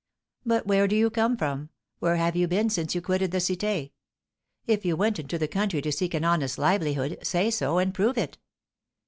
'But where do you come from? Where have you been since you quitted the Cité? If you went into the country to seek an honest livelihood, say so, and prove it.